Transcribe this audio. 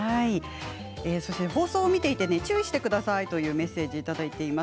放送を見ていて注意してくださいというメッセージをいただいています。